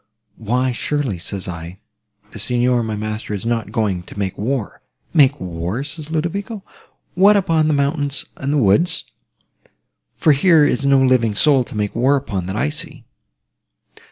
Why, surely, said I, the Signor, my master, is not going to make war? 'Make war!' said Ludovico, 'what, upon the mountains and the woods? for here is no living soul to make war upon that I see.